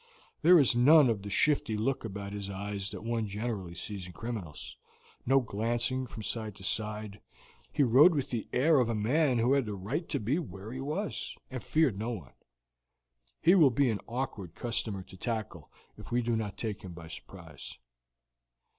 There is none of the shifty look about his eyes that one generally sees in criminals, no glancing from side to side; he rode with the air of a man who had a right to be where he was, and feared no one. He will be an awkward customer to tackle if we do not take him by surprise."